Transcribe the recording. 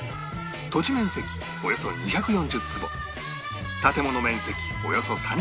土地面積およそ２４０坪建物面積およそ３０坪